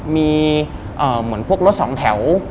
มีเหมือนพวกรถสองแถว